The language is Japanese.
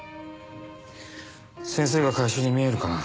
先生が回収に見えるかな？